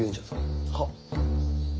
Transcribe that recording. はっ。